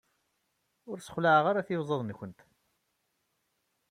Ur sexlaɛeɣ ara tiyuzaḍ-nkent.